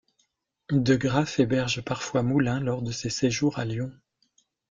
De Graaff héberge parfois Moulin lors de ses séjours à Lyon.